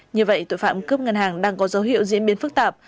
như vậy tội phạm cướp ngân hàng đang có dấu hiệu diễn biến phức tạp